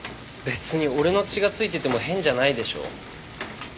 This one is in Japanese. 別に俺の血が付いてても変じゃないでしょ？